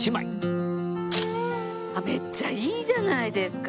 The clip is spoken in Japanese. めっちゃいいじゃないですか。